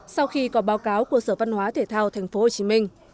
sau khi có báo cáo của sở văn hóa thể thao tp hcm